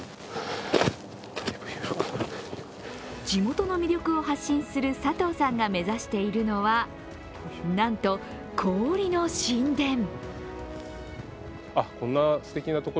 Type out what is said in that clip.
地元の魅力を発信する佐藤さんが目指しているのは、なんと氷の神殿。